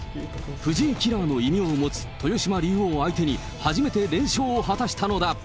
藤井キラーの異名を持つ豊島竜王相手に、初めて連勝を果たしたのだ。